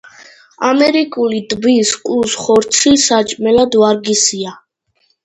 ამერიკული ტბის კუს ხორცი საჭმელად ვარგისია.